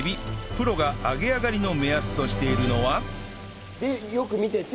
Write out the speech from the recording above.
プロが揚げあがりの目安としているのはでよく見てて。